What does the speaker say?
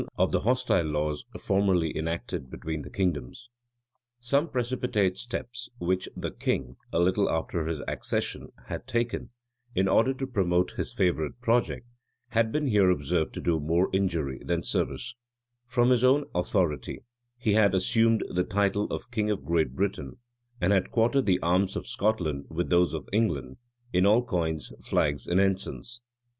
v. p 108, 109, 110 Some precipitate steps, which the king, a little after his accession, had taken, in order to promote his favorite project, had been here observed to do more injury than service. From his own authority, he had assumed the title of king of Great Britain; and had quartered the arms of Scotland with those of England, in all coins, flags, and ensigns.